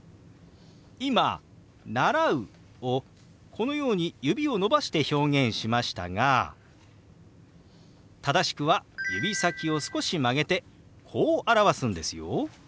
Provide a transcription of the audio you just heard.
今「習う」をこのように指を伸ばして表現しましたが正しくは指先を少し曲げてこう表すんですよ。